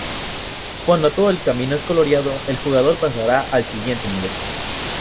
Cuando todo el camino es coloreado, el jugador pasará al siguiente nivel.